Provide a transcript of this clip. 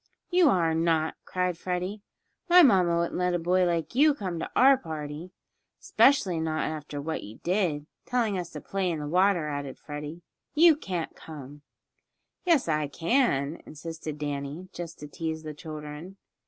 "You are not!" cried Freddie. "My mamma wouldn't let a boy like you come to our party." "'Specially not after what you did telling us to play in the water," added Freddie. "You can't come!" "Yes, I can," insisted Danny, just to tease the children.